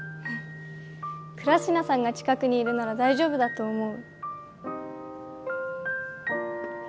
倉科さんが近くにいるなら大丈夫だと思う